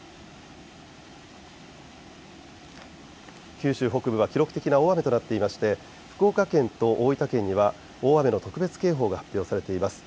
九州北部は記録的な大雨となっていまして福岡県と大分県には大雨の特別警報が発表されています。